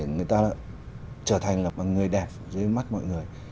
chúng ta trở thành là một người đẹp dưới mắt mọi người